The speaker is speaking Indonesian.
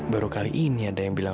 baru kali ini ada yang bilang